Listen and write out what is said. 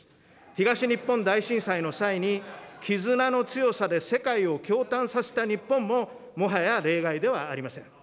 東日本大震災の際に、絆の強さで世界を驚嘆させた日本も、もはや例外ではありません。